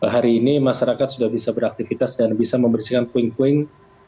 hari ini masyarakat sudah bisa beraktivitas dan bisa membersihkan puing puing